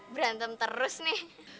berantem terus nih